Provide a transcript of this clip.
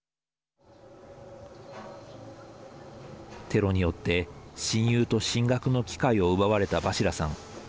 テロによって親友と進学の機会を奪われたバシラさん。